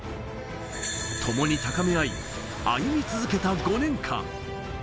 ともに高め合い、歩み続けた５年間。